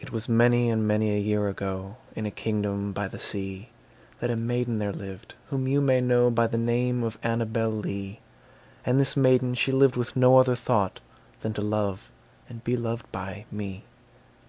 It was many and many a year ago, In a kingdom by the sea, That a maiden there lived whom you may know By the name of Annabel Lee; And this maiden she lived with no other thought Than to love and be loved by me.